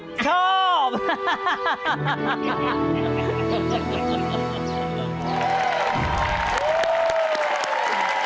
สามารถปรบพิจารณะ